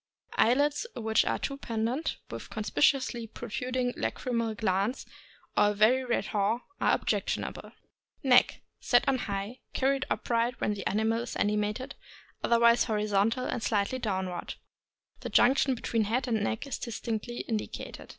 Eyelids which are too pendent, with conspicuously protruding lachrymal glands, or a very red haw, are objectionable. Neck. — Set on high, and carried upright when the ani mal is animated, otherwise horizontal or slightly down ward. The junction between head and neck is distinctly indicated.